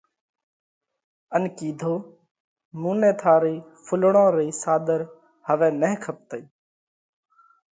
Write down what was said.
ان ڪِيڌو: مُون نئہ ٿارئِي ڦُولڙون رئِي ساۮر هوَئہ نه کپتئِي۔